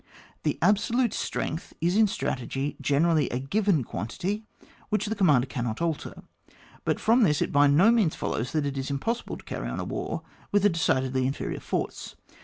The absolute strength is in strategy generally a given quantity, which the commander cannot alter. But from this it by no moans follows that it is impos sible to carry on a war with a decidedly inferior force.